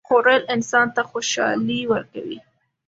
خوړل انسان ته خوشالي ورکوي